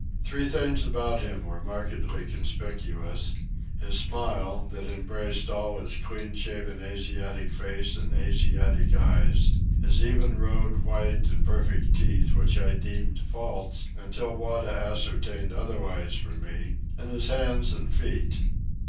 Three things about him were markedly conspicuous: his smile, that embraced all of his clean shaven Asiatic face and Asiatic eyes; his even rowed, white, and perfect teeth, which I deemed false until Wada ascertained otherwise for me; and his hands and feet.